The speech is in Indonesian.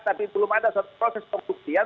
tapi belum ada proses pembuktian